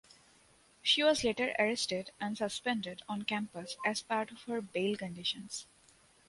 She was later arrested and suspended on campus as part of her bail conditions.